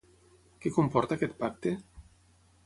Què comporta aquest pacte?